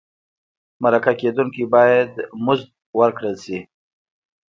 مرکه کېدونکی باید مزد ورکړل شي.